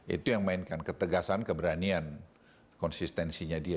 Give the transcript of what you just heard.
itu yang mainkan ketegasan keberanian konsistensinya dia